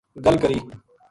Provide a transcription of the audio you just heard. گل کری